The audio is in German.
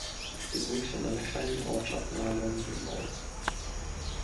Sie wuchs in einer kleinen Ortschaft nahe London auf.